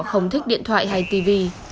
không thích điện thoại hay tivi